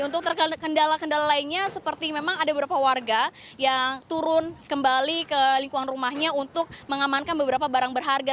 untuk kendala kendala lainnya seperti memang ada beberapa warga yang turun kembali ke lingkungan rumahnya untuk mengamankan beberapa barang berharga